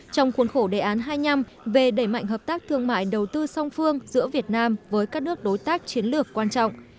trong khuôn khổ đề án hai mươi năm về đẩy mạnh hợp tác thương mại đầu tư song phương giữa việt nam với các nước đối tác chiến lược quan trọng